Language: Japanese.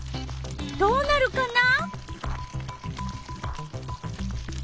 どうなるかな？